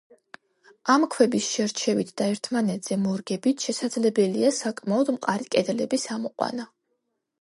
ამ ქვების შერჩევით და ერთმანეთზე მორგებით შესაძლებელია საკმაოდ მყარი კედლების ამოყვანა.